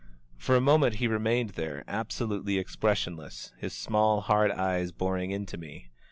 For a moment he remained there, absolutely expressionless, his small, hard eyes boring into me.